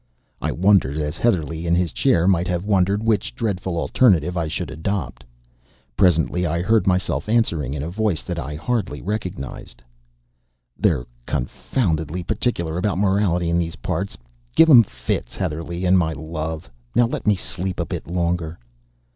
I wondered, as Heatherlegh in his chair might have wondered, which dreadful alternative I should adopt. Presently I heard myself answering in a voice that I hardly recognized, "They're confoundedly particular about morality in these parts. Give 'em fits, Heatherlegh, and my love. Now let me sleep a bit longer."